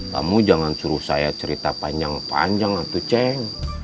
kamu jangan suruh saya cerita panjang panjang satu ceng